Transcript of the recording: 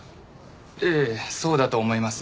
ええそうだと思います。